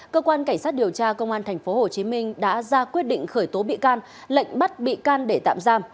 cơ quan cảnh sát điều tra công an tp hcm đã ra quyết định khởi tố bị can lệnh bắt bị can để tạm giam